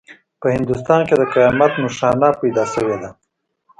په هندوستان کې د قیامت نښانه پیدا شوې ده.